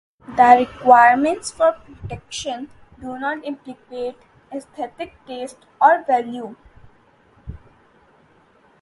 The requirements for protection do not implicate aesthetic taste or value.